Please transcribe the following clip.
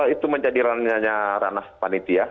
itu menjadi rana panitia